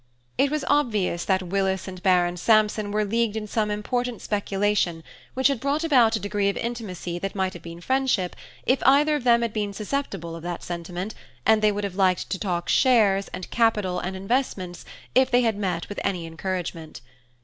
It was obvious that Willis and Baron Sampson were leagued in some important speculation, which had brought about a degree of intimacy that might have been friendship, if either of them had been susceptible of that sentiment, and they would have liked to talk shares, and capital, and investments, if they had met with any encouragement.